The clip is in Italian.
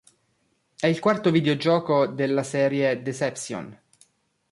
È il quarto videogioco della serie "Deception".